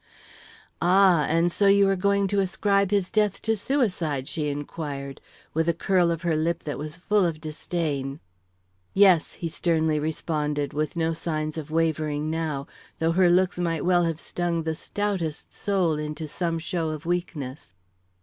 "Ah! and so you are going to ascribe his death to suicide?" she inquired, with a curl of her lip that was full of disdain. "Yes," he sternly responded with no signs of wavering now, though her looks might well have stung the stoutest soul into some show of weakness.